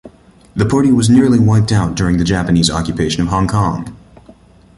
The party was nearly wiped out during the Japanese occupation of Hong Kong.